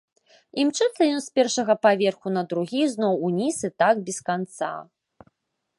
Імчыцца ён з першага паверху на другі, зноў уніз і так без канца.